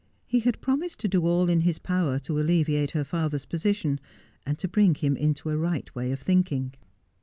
He had promised to do all in his power to alleviate her father's position, and to bring him into a right way of thinking.